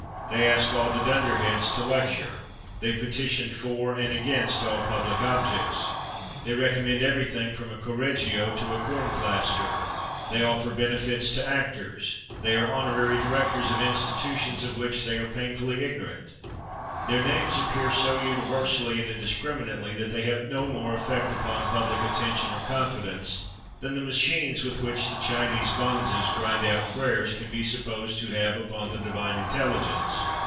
They ask all the Dunderheads to lecture; they petition for and against all public objects; they recommend everything from a Correggio to a corn plaster; they offer benefits to actors; they are honorary directors of institutions of which they are painfully ignorant; their names appear so universally and indiscriminately that they have no more effect upon public attention or confidence than the machines with which the Chinese bonzes grind out prayers can be supposed to have upon the Divine intelligence.